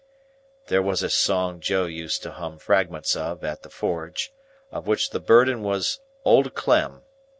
There was a song Joe used to hum fragments of at the forge, of which the burden was Old Clem.